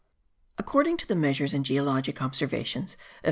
According to the measures and geologic observations of M.